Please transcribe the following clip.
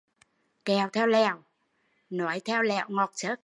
Kẹo thèo lèo, nói thèo lẻo ngọt xớt